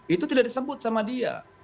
itu tidak disebut sama dia